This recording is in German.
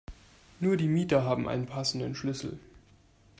Nur die Mieter haben einen passenden Schlüssel.